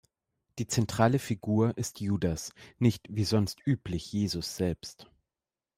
Die zentrale Figur ist Judas, nicht, wie sonst üblich, Jesus selbst.